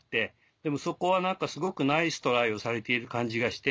でもそこはすごくナイストライをされている感じがして。